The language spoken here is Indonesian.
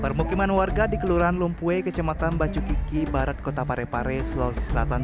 permukiman warga di kelurahan lumpwe kecamatan bacu kiki barat kota parepare sulawesi selatan